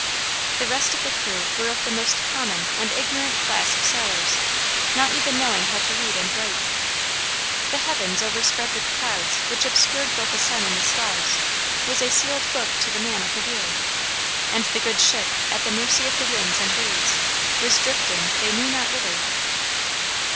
The rest of the crew were of the most common and ignorant class of sailors, not even knowing how to read and write. The heavens, overspread with clouds which obscured both the sun and the stars, was a sealed book to the man at the wheel, and the good ship, at the mercy of the winds and waves, was drifting they knew not whither.